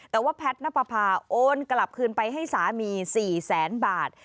แต่ว่าแพทย์นปภาโอนกลับคืนไปให้สามี๔๐๐๐๐๐บาท